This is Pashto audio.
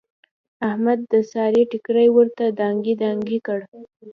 احمد د سارې ټیکری ورته دانګې دانګې کړ.